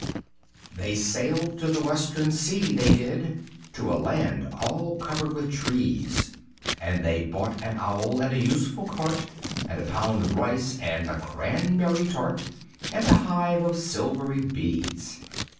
V. They sailed to the Western sea, they did, To a land all covered with trees, And they bought an Owl, and a useful Cart, And a pound of Rice, and a Cranberry Tart, And a hive of silvery Bees.